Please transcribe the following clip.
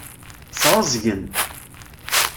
Sɛuẓẓgen.